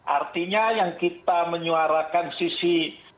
artinya yang kita menyuarakan sisi